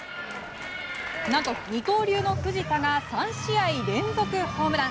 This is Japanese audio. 何と二刀流の藤田が３試合連続ホームラン。